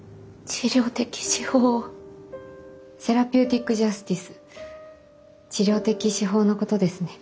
セラピューティック・ジャスティス治療的司法のことですね。